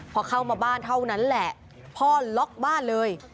พอเข้ามาบ้านเท่านั้นแหละพ่อล็อกบ้านเลย